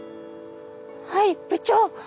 はい部長。